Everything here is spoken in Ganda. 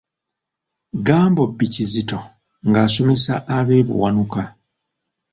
Gambobbi Kizito ng'asomesa ab'e Buwanuka .